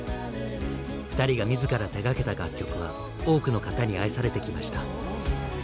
ふたりが自ら手がけた楽曲は多くの方に愛されてきました。